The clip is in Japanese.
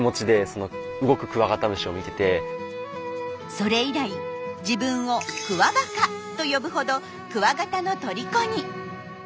それ以来自分を「クワバカ」と呼ぶほどクワガタのとりこに。